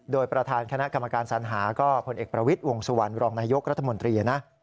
โดยประธานคณะกรรมการสัญหาก็พลเอกประวิทย์วงสุวรรณรองนายกรัฐมนตรีนะ